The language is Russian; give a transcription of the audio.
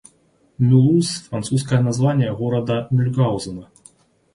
Мюлуз — французское название города Мюльгаузена.